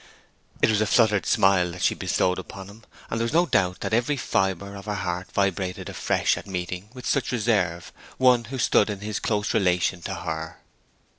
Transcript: It was a fluttered smile that she bestowed on him, and there was no doubt that every fibre of her heart vibrated afresh at meeting, with such reserve, one who stood in his close relation to her.